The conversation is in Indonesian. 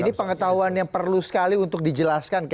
ini pengetahuan yang perlu sekali untuk dijelaskan